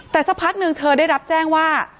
แต่สักพักหนึ่งเธอได้รับแจ้งว่า